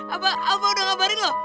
apa alva udah ngabarin lu